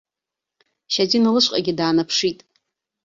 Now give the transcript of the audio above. Шьазина лышҟагьы даанаԥшит.